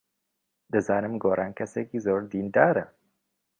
دەزانم گۆران کەسێکی زۆر دیندارە.